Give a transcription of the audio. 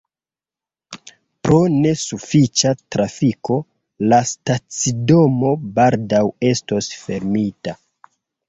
Pro ne sufiĉa trafiko, la stacidomo baldaŭ estos fermita.